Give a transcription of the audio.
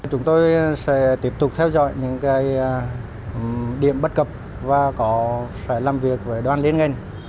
chúng tôi sẽ tiếp tục theo dõi những điểm bất cập và phải làm việc với đoàn liên ngành